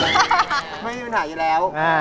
ไม่มีปัญหาอยู่แล้ว